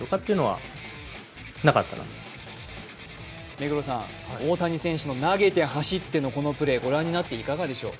目黒さん、大谷選手の投げて走ってのこのプレーご覧になっていかがでしょう？